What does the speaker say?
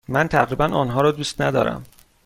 من تقریبا آنها را دوست ندارم.